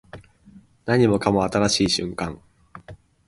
何もかも新しい瞬間